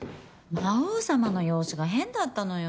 魔王様の様子が変だったのよ。